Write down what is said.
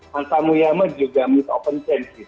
hansa muyama juga miss open chance